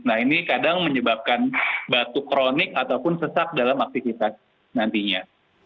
nah ini kadang menyebabkan batuk kronik ataupun sesak dalam aktivitas nantinya